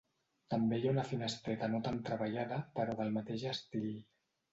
També hi ha una finestreta no tan treballada però del mateix estil.